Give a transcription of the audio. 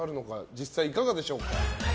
実際いかがでしょうか。